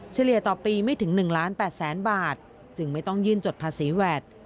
เฉลี่ยต่อปีไม่ถึง๑ล้าน๘แสนบาทจึงไม่ต้องยื่นจดภาษีแวด